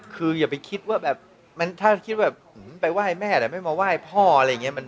คืออย่าไปคิดว่าแบบถ้าคิดว่าไปไหว้แม่แต่ไม่มาไหว้พ่ออะไรอย่างนี้